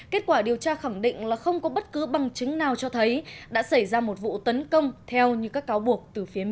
kết quả điều tra khẳng định là không có bất cứ bằng chứng nào cho thấy đã xảy ra một vụ tấn công theo như các cáo buộc